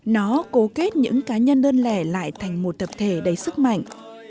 nó cố kết những cá nhân đơn lẻ lại thành một tập thể đầy sức mạnh